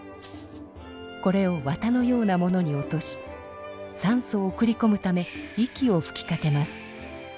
これをわたのようなものに落としさんそを送りこむため息をふきかけます。